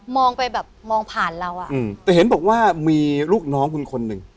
ไปแบบมองผ่านเราอ่ะอืมแต่เห็นบอกว่ามีลูกน้องคุณคนหนึ่ง